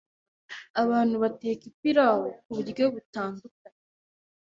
Abantu bateka ipirawu ku buryo butandukanye.